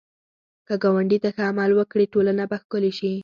که ګاونډي ته ښه عمل وکړې، ټولنه به ښکلې شي